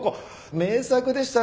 名作でしたねあれ。